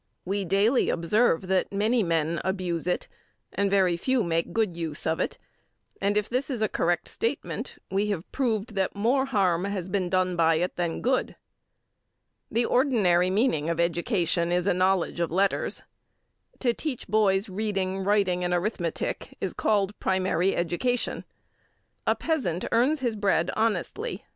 We daily observe that many men abuse it, and very few make good use of it, and if this is a correct statement, we have proved that more harm has been done by it than good. The ordinary meaning of education is a knowledge of letters. To teach boys reading, writing and arithmetic is called primary education. A peasant earns his bread honestly.